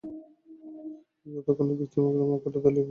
যতক্ষণ না, ব্যতিক্রমের অকাট্য দলীল পাওয়া যায়।